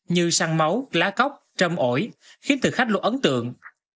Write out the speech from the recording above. như săn máu lá cóc trâm ổi khiến thực khách luôn ấn tượng